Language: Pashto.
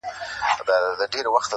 ور سره ښکلی موټر وو نازولی وو د پلار,